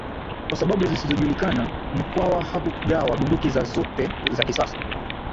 Kwa sababu zisizojulikana Mkwawa hakugawa bunduki za zote za kisasa